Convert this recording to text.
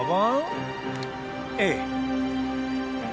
ええ。